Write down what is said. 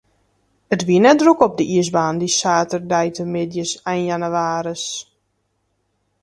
It wie net drok op de iisbaan, dy saterdeitemiddeis ein jannewaris.